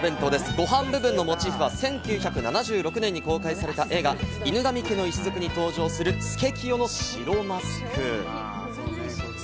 ご飯部分のモチーフは１９７６年に公開された映画『犬神家の一族』に登場するスケキヨの白マスク。